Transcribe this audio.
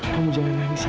kamu jangan nangis ya